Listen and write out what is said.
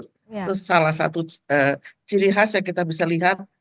itu salah satu ciri khas yang kita bisa lihat